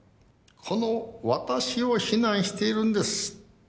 この私を非難しているんです。